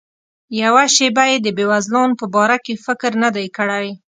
یوه شیبه یې د بېوزلانو په باره کې فکر نه دی کړی.